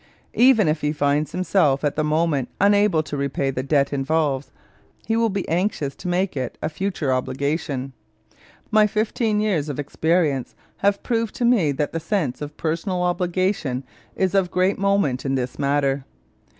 Even if he finds himself at the moment unable to repay the debt involved, he will be anxious to make it a future obligation. My fifteen years of experience have proved to me that the sense of personal obligation is of great moment in this matter.